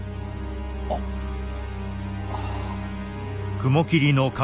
あっはあ。